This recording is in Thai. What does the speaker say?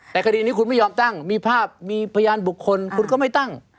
แต่คดีนี้คุณไม่ยอมตั้งมีภาพมีพยานบุคคลคุณก็ไม่ตั้ง